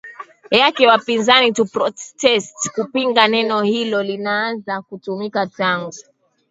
yake wapinzani to protest kupinga neno hilo lilianza kutumika tangu